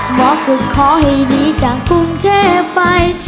หมอกุดขอให้หนีจากกรุงเทพไป